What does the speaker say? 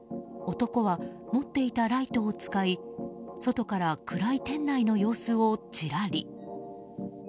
男は持っていたライトを使い外から暗い店内の様子をちらり。